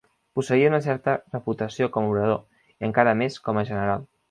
Posseïa una certa reputació com a orador, i encara més com a general.